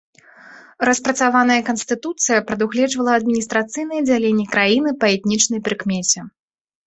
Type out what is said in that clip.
Распрацаваная канстытуцыя прадугледжвала адміністрацыйнае дзяленне краіны па этнічнай прыкмеце.